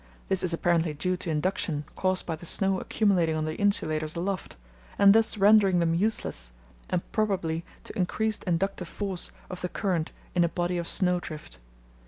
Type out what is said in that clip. This is apparently due to induction caused by the snow accumulating on the insulators aloft, and thus rendering them useless, and probably to increased inductive force of the current in a body of snowdrift.